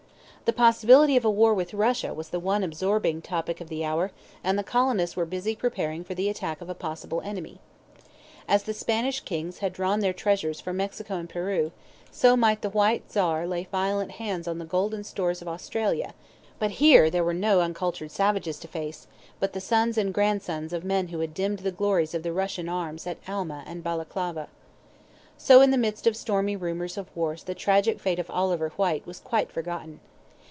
The possibility of a war with Russia was the one absorbing topic of the hour, and the colonists were busy preparing for the attack of a possible enemy. As the Spanish Kings had drawn their treasures from Mexico and Peru, so might the White Czar lay violent hands on the golden stores of Australia; but here there were no uncultured savages to face, but the sons and grandsons of men who had dimmed the glories of the Russian arms at Alma and Balaclava. So in the midst of stormy rumours of wars the tragic fate of Oliver Whyte was quite forgotten.